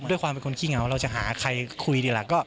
ด้วยความเป็นคนขี้เหงาเราจะหาใครคุยดีล่ะ